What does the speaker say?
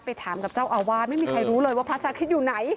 ถามกับเจ้าอาวาสไม่มีใครรู้เลยว่าพระชาคริสต์อยู่ไหน